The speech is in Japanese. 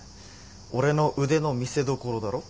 俺の腕の見せどころだろ。